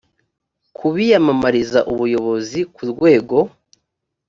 ku biyamamariza ubuyobozi ku rwego